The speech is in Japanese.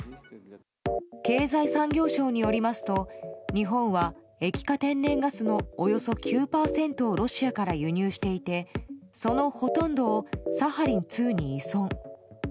経済産業省によりますと日本は液化天然ガスのおよそ９％をロシアから輸入していてそのほとんどをサハリン２に依存。